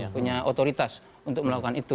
punya otoritas untuk melakukan itu